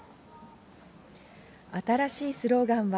新しいスローガンは、